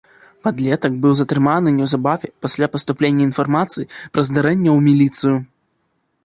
Падлетак быў затрыманы неўзабаве пасля паступлення інфармацыі пра здарэнне ў міліцыю.